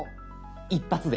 一発で。